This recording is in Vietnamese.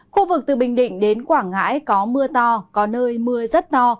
khu vực từ bình định đến quảng ngãi có mưa to có nơi mưa rất to